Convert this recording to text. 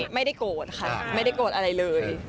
ไม่ได้โกรธค่ะไม่ได้โกรธอะไรเลย